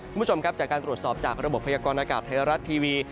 คุณผู้ชมครับจากการตรวจสอบจากระบบพยากรณากาศไทยรัฐทีวี